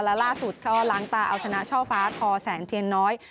และล่าสุดก็ล้างตาเอาชนะช่อฟ้าทอแสนเทียนน้อย